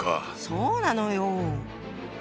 そうなのよ！